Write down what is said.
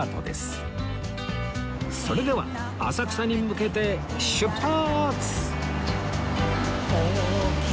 それでは浅草に向けて出発！